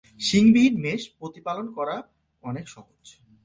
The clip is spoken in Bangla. শিং বিহীন মেষ প্রতিপালন করা অনেক সহজ।